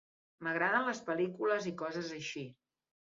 M'agraden les pel·lícules i coses així.